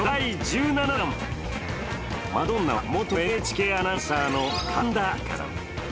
マドンナは元ＮＨＫアナウンサーの神田愛花さん。